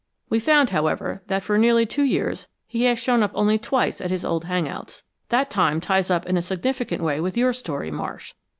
We found, however, that for nearly two years he has shown up only twice at his old hangouts. That time ties up in a significant way with your story, Marsh.